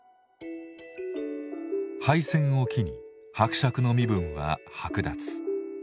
敗戦を機に伯爵の身分は剥奪。